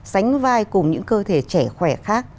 sánh vai cùng những cơ thể trẻ khỏe khác